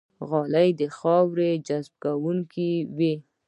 غالۍ د خاورو جذب کوونکې وي.